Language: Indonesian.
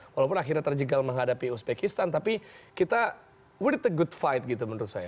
walaupun akhirnya terjegal menghadapi uzbekistan tapi kita wt a good fight gitu menurut saya